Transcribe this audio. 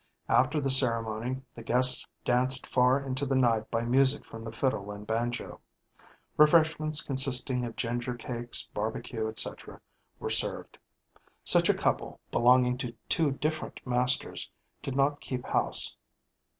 After the ceremony, the guests danced far into the night by music from the fiddle and banjo. Refreshments consisting of ginger cakes, barbecue, etc., were served. Such a couple, belonging to two different masters, did not keep house.